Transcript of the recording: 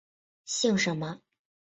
姓什么？